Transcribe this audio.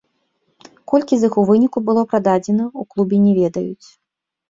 Колькі з іх у выніку было прададзена, у клубе не ведаюць.